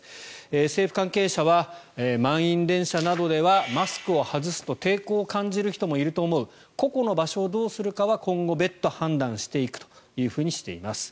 政府関係者は満員電車などではマスクを外すと抵抗を感じる人もいると思う個々の場所をどうするかは今後、別途判断していくとしています。